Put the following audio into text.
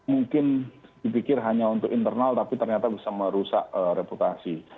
mungkin dipikir hanya untuk internal tapi ternyata bisa merusak reputasi